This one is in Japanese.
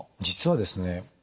実はですね